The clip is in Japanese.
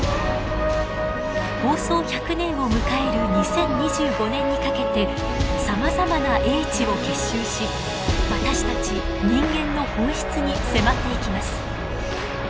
放送１００年を迎える２０２５年にかけてさまざまな英知を結集し私たち人間の本質に迫っていきます。